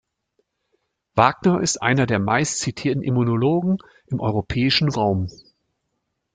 Wagner ist einer der meistzitierten Immunologen im europäischen Raum.